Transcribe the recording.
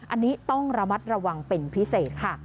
อันนี้ต้องระมัดระวังเป็นพิเศษค่ะ